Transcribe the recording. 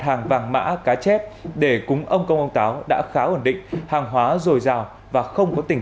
hàng vàng mã cá chép để cúng ông công ông táo đã khá ổn định hàng hóa dồi dào và không có tình